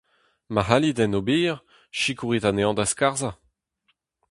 Ma c'hallit en ober, sikourit anezhañ da skarzhañ.